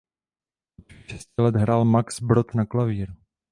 Od svých šesti let hrál Max Brod na klavír.